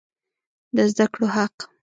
د زده کړو حق